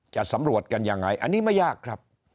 จะสำรวจกันยังไงอันนี้ไม่ยากครับ